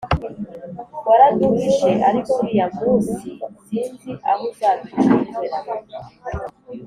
waraduhishe ariko uriya musi sinzi ahuzaducikira"